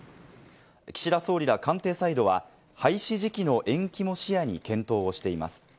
岸田総理ら官邸サイドは廃止時期の延期も視野に検討をしています。